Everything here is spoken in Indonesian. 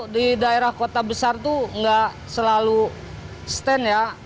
di daerah kota besar itu nggak selalu stand ya